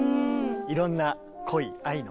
いろんな恋愛の。